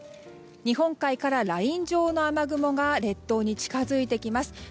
日本海からライン状の雨雲が列島に近づいてきます。